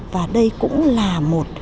và đây cũng là một